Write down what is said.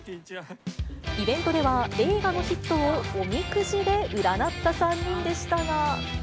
イベントでは、映画のヒットをおみくじで占った３人でしたが。